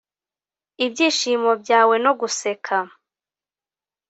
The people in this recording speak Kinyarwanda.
ibyishimo byawe no guseka